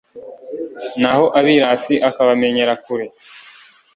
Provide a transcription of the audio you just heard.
naho abirasi akabamenyera kure